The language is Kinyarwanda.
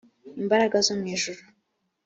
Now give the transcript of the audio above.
imbaraga zo mu ijuru